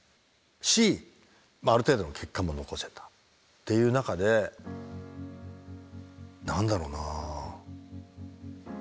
ある程度の結果も残せたっていう中で何だろうな。